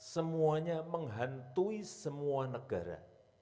semuanya menghantui semua negara